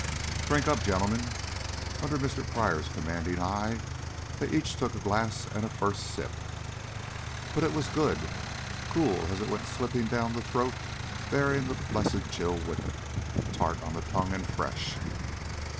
"Drink up, gentlemen." Under Mr. Pryor's commanding eye they each took a glass and a first sip. But it was good cool as it went slipping down the throat bearing that blessed chill with it, tart on the tongue, and fresh.